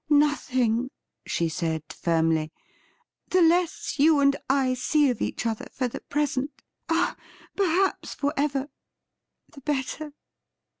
' Nothing !' she said firmly. ' The less you and I see of each other for the present — ah, perhaps for ever — the better.